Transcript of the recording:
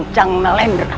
jangan dua duanya berjerak